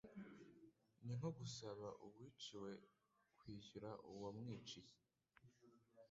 Ni nko gusaba uwiciwe kwishyura uwamwiciye